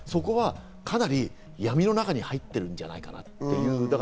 かなり闇の中に入っているんじゃないか。